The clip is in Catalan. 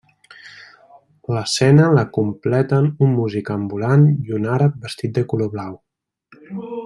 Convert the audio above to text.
L'escena la completen un músic ambulant i un àrab vestit de color blau.